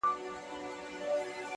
دا ملنګ سړی چي نن خویونه د باچا کوي،